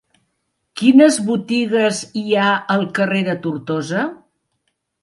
Quines botigues hi ha al carrer de Tortosa?